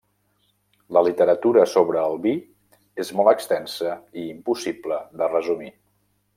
La literatura sobre el vi és molt extensa i impossible de resumir.